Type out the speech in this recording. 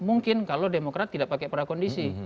mungkin kalau demokrat tidak pakai prakondisi